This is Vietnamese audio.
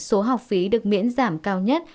số học phí được miễn giảm cao nhất